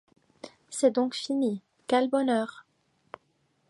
C'est donc fini, quel bonheur!